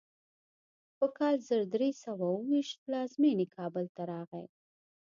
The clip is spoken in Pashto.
په کال زر درې سوه اوو ویشت پلازمینې کابل ته راغی.